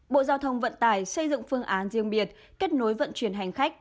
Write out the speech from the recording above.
bộ giao thông vận tải xây dựng phương án riêng biệt kết nối vận chuyển hành khách